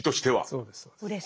そうです。